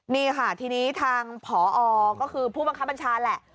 นี่ค่ะทีนี้ทางผอก็คือผู้บังคับบัญชาแหละ